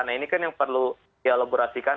nah ini kan yang perlu dialaborasikan